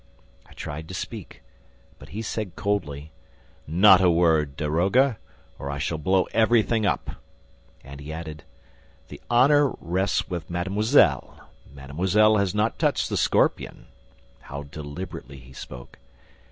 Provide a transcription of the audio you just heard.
I tried to speak, but he said coldly: "Not a word, daroga, or I shall blow everything up." And he added, "The honor rests with mademoiselle ... Mademoiselle has not touched the scorpion" how deliberately he spoke!